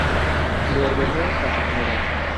Le ordenó a su Gral.